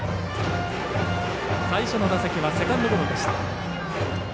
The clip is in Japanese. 最初の打席はセカンドゴロでした。